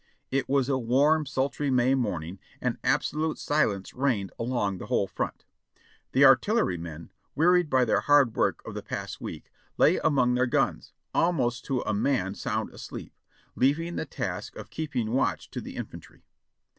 "It was a warm, sultry May morning and absolute silence reigned along the whole front. The artillerymen, wearied by their hard work of the past week, lay among their guns, almost to a man sound asleep, leaving the task of keeping watch to the infantry.